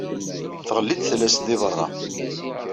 Tɣelli-d tallast deg berra.